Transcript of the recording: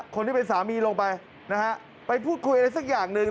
คนที่เป็นสามีลงไปเพื่อนจะพูดคุยในนักสักอย่างหนึ่ง